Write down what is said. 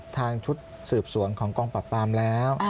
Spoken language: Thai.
ทางชุดสืบสวนของกองปรับปรามแล้ว